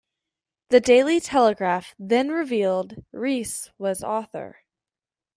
"The Daily Telegraph" then revealed Rees was author.